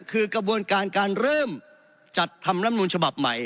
คือกระบวนการการเริ่มจัดทำลำนูลฉบับใหม่